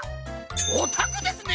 おたくですね